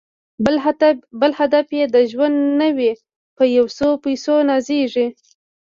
بل هدف یې د ژوند نه وي په یو څو پیسو نازیږي